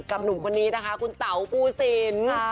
หนุ่มคนนี้นะคะคุณเต๋าภูสิน